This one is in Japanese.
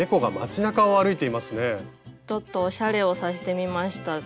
ちょっとおしゃれをさしてみました。